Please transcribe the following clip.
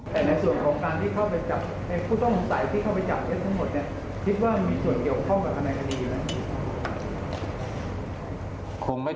แต่ในส่วนของการที่เข้าไปจับในผู้ต้องห่วงสายที่เข้าไปจับเท็จทั้งหมดเนี่ย